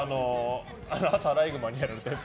朝、アライグマにやられたやつ。